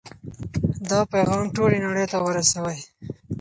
دا پیغام ټولې نړۍ ته ورسوئ.